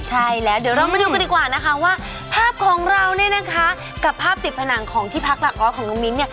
ใช่แล้วเดี๋ยวเรามาดูกันดีกว่านะคะว่าภาพของเราเนี่ยนะคะกับภาพติดผนังของที่พักหลักร้อยของน้องมิ้นเนี่ย